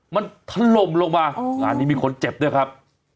มันถล่มลงมางานนี้มีคนเจ็บด้วยครับ